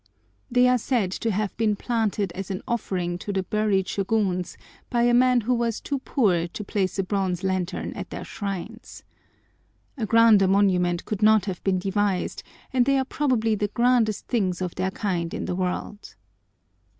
They are said to have been planted as an offering to the buried Shôguns by a man who was too poor to place a bronze lantern at their shrines. A grander monument could not have been devised, and they are probably the grandest things of their kind in the world.